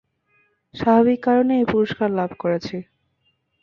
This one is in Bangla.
স্বাভাবিক কারণেই এ পুরস্কার লাভ করেছি।